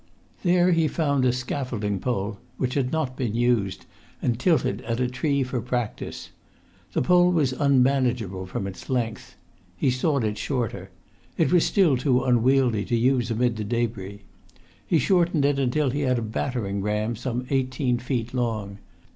Then he found a scaffolding pole which had not been used, and tilted at a tree for practice. The pole was unmanageable from its length. He sawed it shorter. It was still too unwieldy to use amid the débris. He shortened it until he had a battering ram some eighteen feet long.